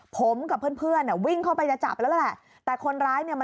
ข้างนอกร้านคือเขามีวินมอเตอร์ไซส์รับจ้างอยู่